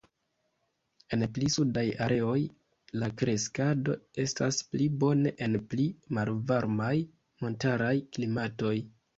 En pli sudaj areoj, la kreskado estas pli bone en pli malvarmaj montaraj klimatoj.